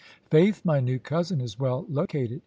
"Faith, my new cousin is well located.